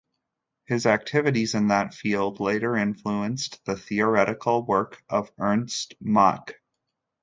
His activities in that field later influenced the theoretical work of Ernst Mach.